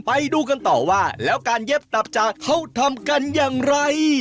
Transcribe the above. ไปดูกันต่อว่าแล้วการเย็บตับจากเขาทำกันอย่างไร